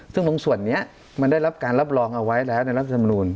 ซึ่งตรงส่วนนี้มันได้รับการรับรองเอาไว้แล้วในรัฐธรรมนูล